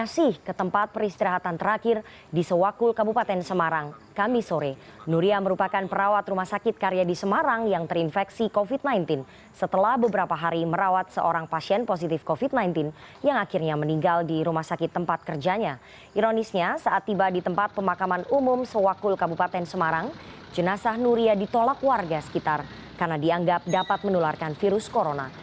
setelah berubah di tempat pemakaman umum sewakul kabupaten semarang jenazah nuriya ditolak warga sekitar karena dianggap dapat menularkan virus corona